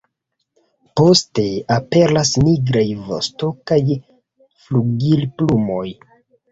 Poste aperas nigraj vosto kaj flugilplumoj.